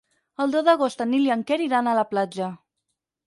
El deu d'agost en Nil i en Quer iran a la platja.